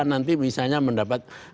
nanti misalnya mendapat